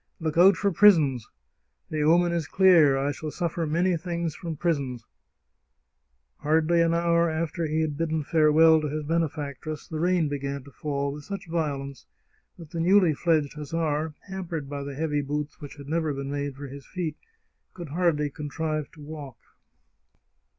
Look out for prisons! The omen is clear — I shall suflfer many things from prisons !" Hardly an hour after he had bidden farewell to his bene factress the rain began to fall with such violence that the newly fledged hussar, hampered by the heavy boots which had never been made for his feet, could hardly contrive to walk.